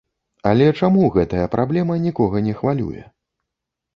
Але чаму гэтая праблема нікога не хвалюе?